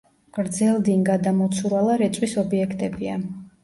გრძელდინგა და მოცურალა რეწვის ობიექტებია.